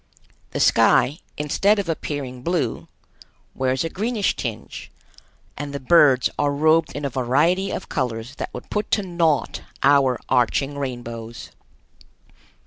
The sky, instead of appearing blue, wears a greenish tinge, and the birds are robed in a variety of colors that would put to naught our arching rainbows.